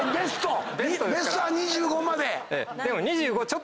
ベストは２５まで。